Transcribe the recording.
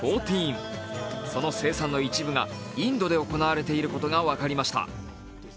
その生産の一部がインドで行われていることが分かりました。